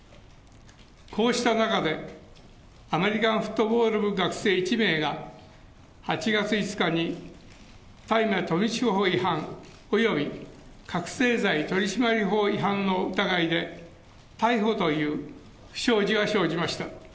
こうした中で、アメリカンフットボール部学生１名が、８月５日に大麻取締法違反および覚醒剤取締法違反の疑いで逮捕という不祥事が生じました。